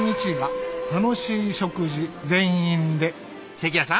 関谷さん